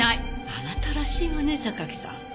あなたらしいわね榊さん。